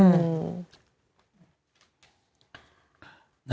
อืม